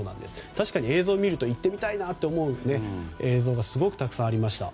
確かに映像を見ると行ってみたいなと思う映像がすごくたくさんありました。